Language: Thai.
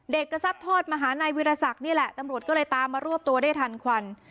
เด็กก็ซัดทอดมาหานายวิรสักนี่แหละตำรวจก็เลยตามมารวบตัวได้ทันควัน